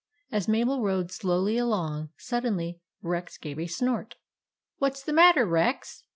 As Mabel rode slowly along, suddenly Rex gave a snort. " What 's the matter, Rex?